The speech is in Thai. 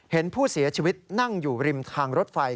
เห็นผู้เสียชีวิตนั่งอยู่ริมทางรถไฟ